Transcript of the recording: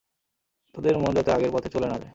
তোদের মন যাতে আগের পথে চলে না যায়।